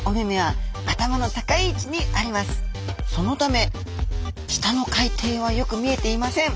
そのため下の海底はよく見えていません。